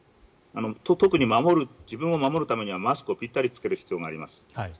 特に、自分を守るためにはマスクをピッタリ着ける必要があります。